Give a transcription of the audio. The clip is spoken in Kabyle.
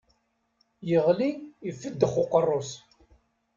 Yeɣli ifeddex uqerru-s!